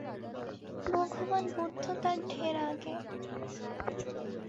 ভগবান বুদ্ধ তার ঢের আগে।